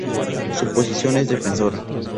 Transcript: Su posición es defensora.